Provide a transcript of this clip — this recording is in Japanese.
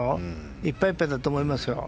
いっぱいいっぱいだと思います。